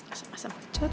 asem asem kecut